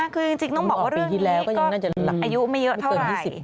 คือจริงต้องบอกว่าเรื่องนี้ก็อายุไม่เยอะเท่าไร